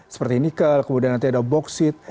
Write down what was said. seperti nikel kemudian nanti ada boksit